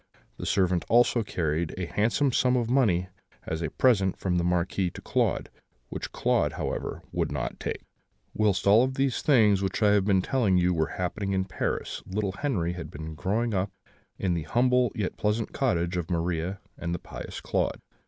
The servant also carried a handsome sum of money as a present from the Marquis to Claude; which Claude, however, would not take. "Whilst all these things of which I have been telling you were happening at Paris, little Henri had been growing up in the humble yet pleasant cottage of Maria and the pious Claude.